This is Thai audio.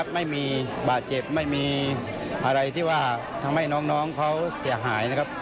ไม่มีบาดเจ็บไม่มีอะไรที่ว่าทำให้น้องเขาเสียหายนะครับ